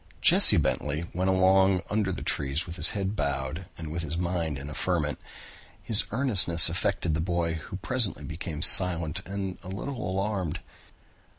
Jesse Bentley went along under the trees with his head bowed and with his mind in a ferment. His earnestness affected the boy, who presently became silent and a little alarmed.